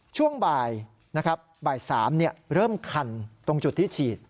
ช่วงบ่ายนะครับบ่าย๓เริ่มคันตรงจุดที่ฉีด